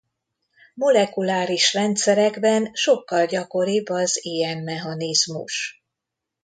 Molekuláris rendszerekben sokkal gyakoribb az ilyen mechanizmus.